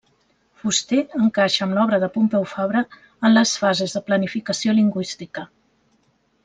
Fuster, encaixa amb l'obra de Pompeu Fabra en les fases de planificació lingüística.